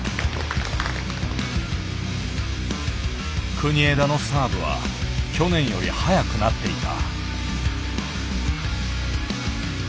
国枝のサーブは去年より速くなっていた。